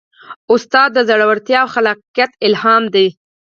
استاد د زړورتیا او خلاقیت الهام دی.